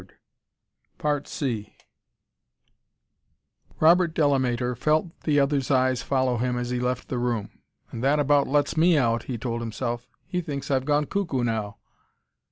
Robert Delamater felt the other's eyes follow him as he left the room. "And that about lets me out," he told himself; "he thinks I've gone cuckoo, now."